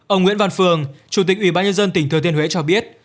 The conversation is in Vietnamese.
ông nguyễn văn phường chủ tịch ủy ban nhân dân tp hcm cho biết